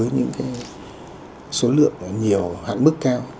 những số lượng nhiều hạn mức cao